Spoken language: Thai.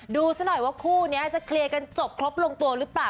ดูซะหน่อยว่าคู่นี้จะเคลียร์กันจบครบลงตัวหรือเปล่า